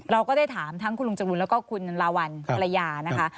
เราก็ได้ถามทั้งคุณลุงจรูนแล้วก็คุณลาวัลภรรยานะคะ